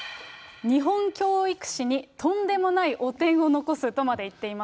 日本教育史にとんでもない汚点を残すとまで言っています。